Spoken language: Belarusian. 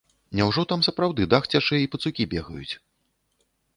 Няўжо там сапраўды дах цячэ і пацукі бегаюць?